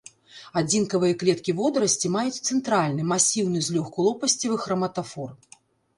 Адзінкавыя клеткі водарасці маюць цэнтральны, масіўны, злёгку лопасцевы храматафор.